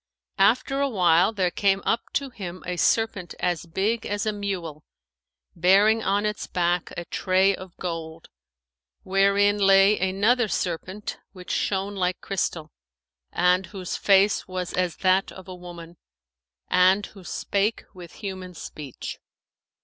After awhile, there came up to him a serpent as big as a mule, bearing on its back a tray of gold, wherein lay another serpent which shone like crystal and whose face was as that of a woman[FN#511] and who spake with human speech.